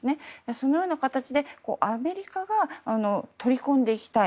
そのような形でアメリカが取り込んでいきたい。